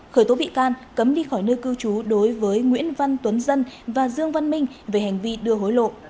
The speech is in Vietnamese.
khởi tố bị can cấm đi khỏi nơi cư trú đối với nguyễn văn tuấn dân và dương văn minh về hành vi đưa hối lộ